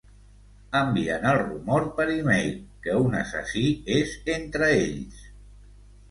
Envien el rumor per e-mail que un assassí és entre ells.